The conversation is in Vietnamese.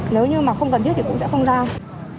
nếu như mà không cần giúp thì cũng sẽ không đau